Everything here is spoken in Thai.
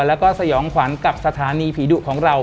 แล้วก็สยองขวัญกับสถานีผีดุของเรา